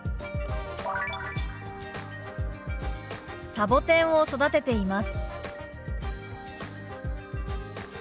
「サボテンを育てています」。